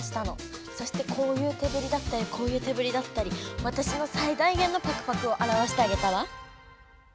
そしてこういう手ぶりだったりこういう手ぶりだったり私のさい大げんの「パクパク」をあらわしてあげたわ。